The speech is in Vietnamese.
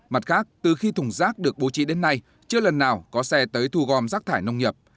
mặt khác từ khi thùng rác được bố trí đến nay chưa lần nào có xe tới thu gom rác thải nông nghiệp